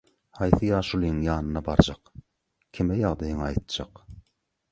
haýsy ýaşulyň ýanyna barjak, kime ýagdaýyňy aýtjak?